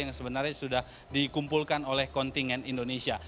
yang sebenarnya sudah dikumpulkan oleh kontingen indonesia